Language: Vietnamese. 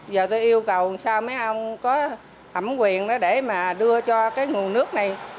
giờ tôi yêu cầu làm sao mấy ông có thẩm quyền để mà đưa cho cái nguồn nước này